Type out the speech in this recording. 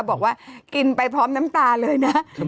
บอกว่ากินไปพร้อมน้ำตาเลยนะ